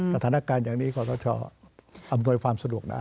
กฐานการณ์อย่างนี้ก็จะอำนวยความสะดวกได้